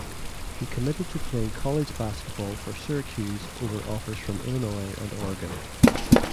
He committed to playing college basketball for Syracuse over offers from Illinois and Oregon.